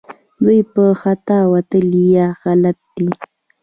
دوی په خطا وتلي یا غلط دي